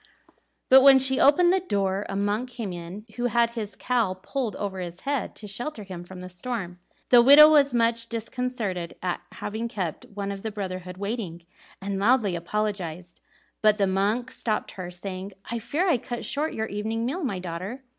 But when she opened the door, a monk came in who had his cowl pulled over his head to shelter him from the storm. The widow was much disconcerted at having kept one of the brotherhood waiting, and loudly apologized, but the monk stopped her, saying, "I fear I cut short your evening meal, my daughter."